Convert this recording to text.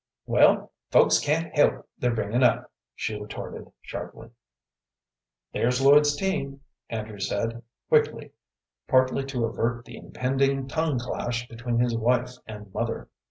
"Well, folks can't help their bringin' up," she retorted, sharply. "There's Lloyd's team," Andrew said, quickly, partly to avert the impending tongue clash between his wife and mother.